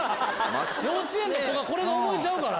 幼稚園の子がこれで覚えちゃうから。